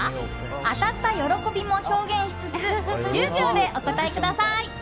当たった喜びも表現しつつ１０秒でお答えください！